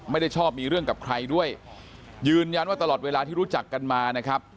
ไม่ได้ชอบมีเรื่องกับใครด้วยยืนยันว่าตลอดเวลาที่รู้จักกันมานะครับ